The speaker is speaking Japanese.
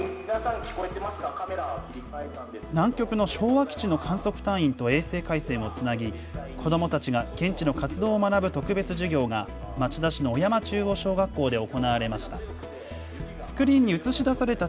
南極の昭和基地の観測隊員と衛星回線をつなぎ、子どもたちが現地の活動を学ぶ特別授業が町田市の小山中央小学校で行われました。